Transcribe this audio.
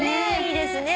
いいですね。